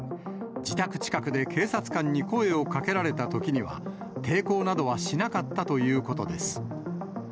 自宅近くで警察官に声をかけられたときには、抵抗などはしなかったということです。